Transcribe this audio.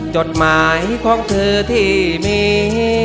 จดหมายของเธอที่มี